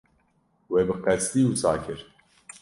We bi qesdî wisa kir?